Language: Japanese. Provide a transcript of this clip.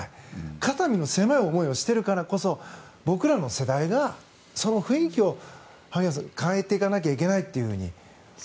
肩身の狭いを思いをしているからこそ僕らの世代が萩谷さん、その雰囲気を変えていかなきゃいけないと。